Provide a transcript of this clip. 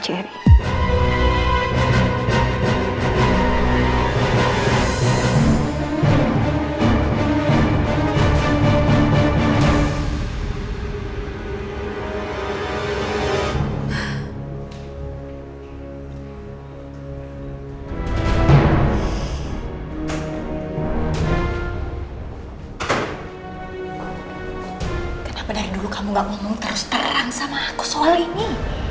kenapa dari dulu kamu gak ngomong terus terang sama aku soal ini